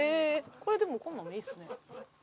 これでもこんなんもいいですね。